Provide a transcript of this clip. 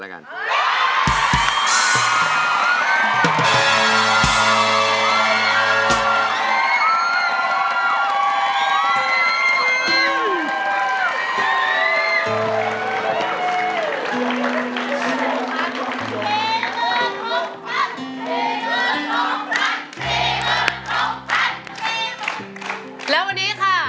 แล้ววันนี้ค่ะ